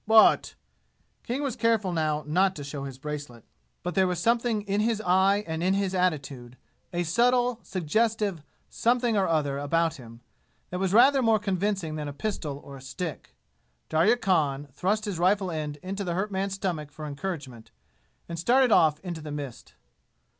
"But " King was careful now not to show his bracelet. But there was something in his eye and in his attitude a subtle suggestive something or other about him that was rather more convincing than a pistol or a stick. Darya Khan thrust his rifle end into the hurt man's stomach for encouragement and started off into the mist.